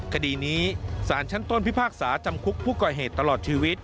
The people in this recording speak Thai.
คดีนี้สารชั้นต้นพิพากษาจำคุกผู้ก่อเหตุตลอดชีวิต